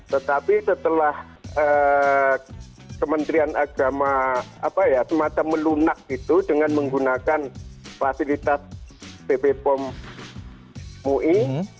tetapi setelah kementerian agama apa ya semata melunak itu dengan menggunakan fasilitas bp pom mui